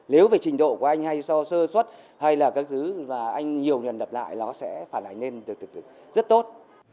nếu về trình độ của anh hay so sơ xuất hay là các thứ và anh nhiều lần đập lại nó sẽ phản ánh lên rất tốt